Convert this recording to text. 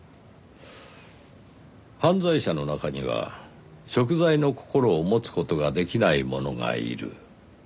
「犯罪者の中には贖罪の心を持つ事ができない者がいる」。